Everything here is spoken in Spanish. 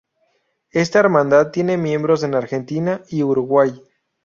Esta hermandad tiene miembros en Argentina y Uruguay.